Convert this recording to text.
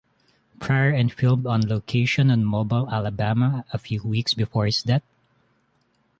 Prior and filmed on location in Mobile, Alabama a few weeks before his death.